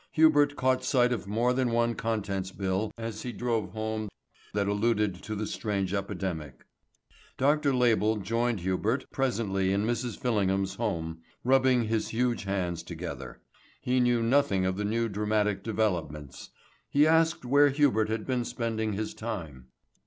Hubert caught sight of more than one contents bill as he drove home that alluded to the strange epidemic. Dr. Label joined Hubert presently in Mrs. Fillingham's home, rubbing his huge hands together. He knew nothing of the new dramatic developments. He asked where Hubert had been spending his time.